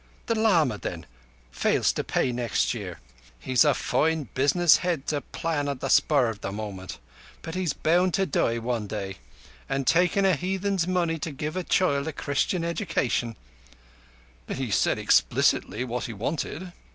"The lama, then, fails to pay next year. He's a fine business head to plan on the spur of the moment, but he's bound to die some day. An' takin' a heathen's money to give a child a Christian education—" "But he said explicitly what he wanted.